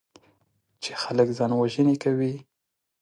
چې خلک ځانوژنې کوي.